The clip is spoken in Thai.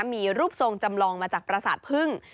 มีรูปทรงจำลองมาจากประสาทพึ่ง